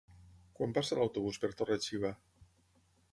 Quan passa l'autobús per Torre-xiva?